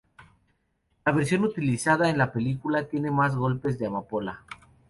La versión utilizada en la película tiene más golpes de amapola.